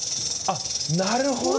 あっなるほど！